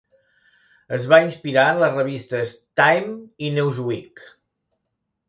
Es va inspirar en les revistes "Time" i "Newsweek".